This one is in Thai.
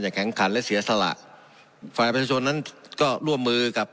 แข็งขันและเสียสละฝ่ายประชาชนนั้นก็ร่วมมือกับ